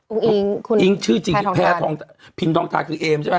อุ้งอิงคุณแพทองทานอิงชื่อจริงแพทองทานพิมพ์ทองทานคือเอมใช่ไหม